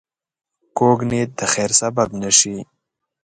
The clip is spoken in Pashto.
کوږ نیت د خیر سبب نه شي